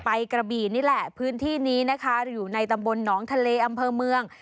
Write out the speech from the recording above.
กระบี่นี่แหละพื้นที่นี้นะคะอยู่ในตำบลหนองทะเลอำเภอเมือง